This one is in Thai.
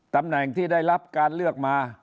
ตำแหน่งที่ได้รับการเลือกมา